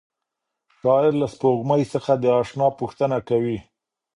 شاعر له سپوږمۍ څخه د اشنا پوښتنه کوي.